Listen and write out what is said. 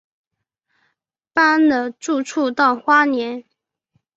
搬了住处到花莲